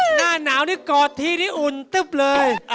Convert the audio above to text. หน้าหนาวนี่กอดทีนี้อุ่นตึ๊บเลย